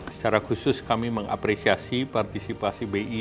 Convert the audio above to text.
secara khusus kami mengapresiasi partisipasi bi